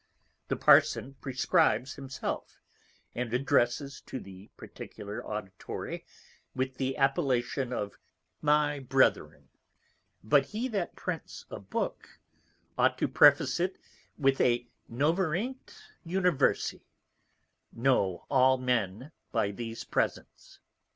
The Parson Prescribes himself, and addresses to the particular Auditory with the Appellation of_ My Brethren; but he that Prints a Book, ought to Preface it with a Noverint Universi, Know all Men by these Presents.